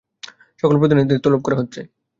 সকল প্রতিনিধিদের তলব করা হচ্ছে।